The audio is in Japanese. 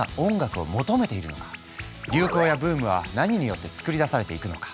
流行やブームは何によって作り出されていくのか？